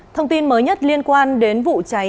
thông tin mới nhất liên quan đến vụ cháy